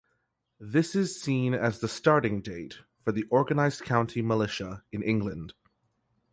This is seen as the starting date for the organised county militia in England.